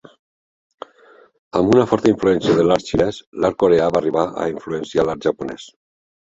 Amb una forta influència de l'art xinès, l'art coreà va arribar a influenciar l'art japonés.